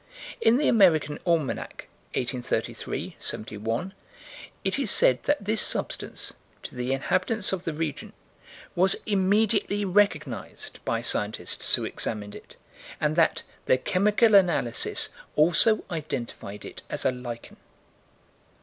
"In the American Almanac, 1833 71, it is said that this substance to the inhabitants of the region" was "immediately recognized" by scientists who examined it: and that "the chemical analysis also identified it as a lichen."